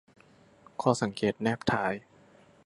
ข้อสังเกตแนบท้าย